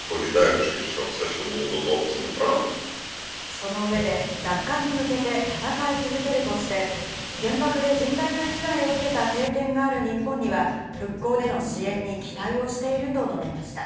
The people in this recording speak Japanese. その上で奪還に向けて戦い続けるとして、原爆で甚大な被害を受けた経験がある日本には、復興での支援に期待をしていると述べました。